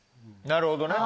なるほどね。